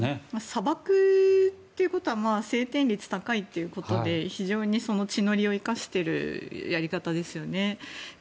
砂漠っていうことは晴天率が高いということで非常に地の利を生かしているやり方ですよね。